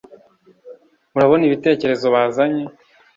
urabona ibitekerezo bazanye.